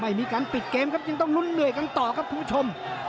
ไม่มีการปิดเกมครับยังต้องลุ้นเหนื่อยกันต่อครับคุณผู้ชม